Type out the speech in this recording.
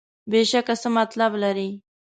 بېشکه څه مطلب لري.